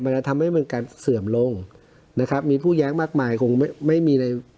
จะทำให้มันการเสื่อมลงนะครับมีผู้แย้งมากมายคงไม่มีอะไร